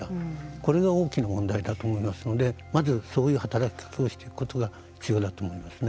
これが大きな問題だと思いますのでまずそういう働きかけをしていくことが必要だと思いますね。